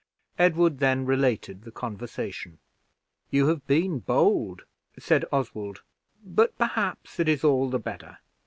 Edward then related the conversation. "You have been bold," said Oswald; "but perhaps it is all the better.